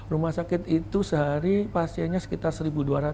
rumah sakit itu sehari pasiennya sekitar satu dua ratus